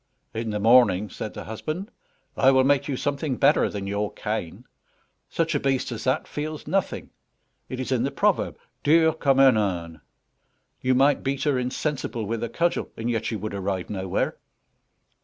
"In the morning," said the husband, "I will make you something better than your cane. Such a beast as that feels nothing; it is in the proverb dur comme un âne; you might beat her insensible with a cudgel, and yet you would arrive nowhere."